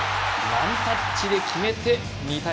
ワンタッチで決めて２対１。